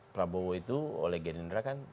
prabowo itu oleh gerindra kan